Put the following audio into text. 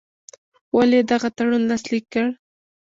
ولي یې دغه تړون لاسلیک کړ.